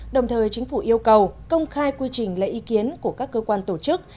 đồng thời chính phủ yêu cầu công khai quy trình lấy ý kiến của các cơ quan tổ chức